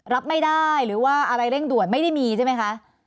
รับไม่ได้หรือว่าอะไรเร่งด่วนไม่ได้มีใช่ไหมคะ